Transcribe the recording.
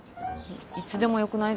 いつでもよくない？